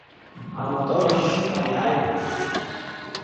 Амотор ашьшьыҳәа иааиуан…